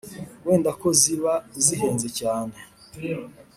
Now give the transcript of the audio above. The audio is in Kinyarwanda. wenda ko ziba zihenze cyane,